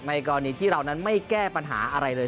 กรณีที่เรานั้นไม่แก้ปัญหาอะไรเลย